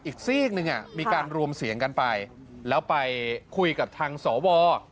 ซีกหนึ่งมีการรวมเสียงกันไปแล้วไปคุยกับทางสว